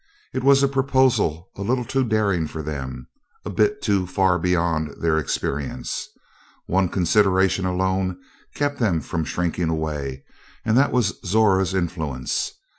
It was a proposal a little too daring for them, a bit too far beyond their experience. One consideration alone kept them from shrinking away and that was Zora's influence.